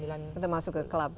untuk masuk ke club ya